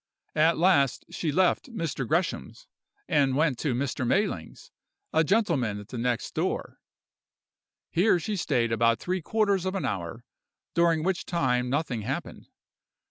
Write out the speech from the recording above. At last she left Mr. Gresham's and went to Mr. Mayling's, a gentleman at the next door; here she stayed about three quarters of an hour, during which time nothing happened.